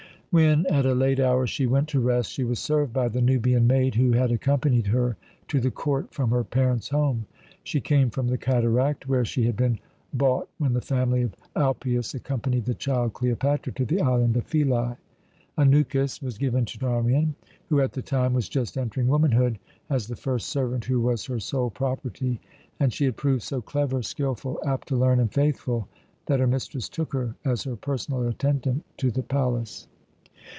When at a late hour she went to rest, she was served by the Nubian maid, who had accompanied her to the court from her parents' home. She came from the Cataract, where she had been bought when the family of Alypius accompanied the child Cleopatra to the island of Philæ. Anukis was given to Charmian, who at the time was just entering womanhood, as the first servant who was her sole property, and she had proved so clever, skilful, apt to learn, and faithful, that her mistress took her, as her personal attendant, to the palace.